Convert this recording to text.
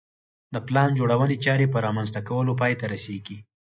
د پلان جوړونې چارې په رامنځته کولو پای ته رسېږي